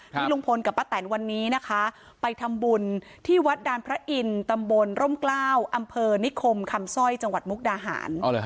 ลุงพลกับป้าแตนวันนี้นะคะไปทำบุญที่วัดดานพระอินทร์ตำบลร่มกล้าวอำเภอนิคมคำสร้อยจังหวัดมุกดาหาร